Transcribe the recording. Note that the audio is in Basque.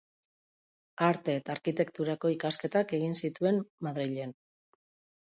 Arte eta Arkitekturako ikasketak egin zituen Madrilen.